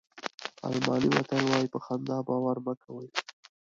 الماني متل وایي په خندا باور مه کوه.